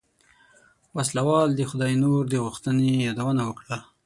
وسله وال د خداينور د غوښتنې يادونه وکړه.